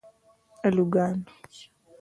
الوگان